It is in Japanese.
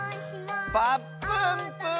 「ぱっぷんぷぅ」！